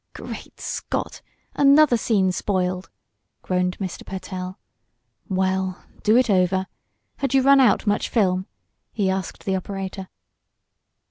"Great Scott! Another scene spoiled!" groaned Mr. Pertell. "Well, do it over. Had you run out much film?" he asked the operator.